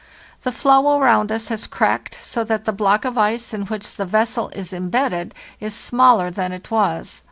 The floe around us has cracked, so that the block of ice in which the vessel is embedded is smaller than it was.